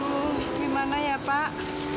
aduh gimana ya pak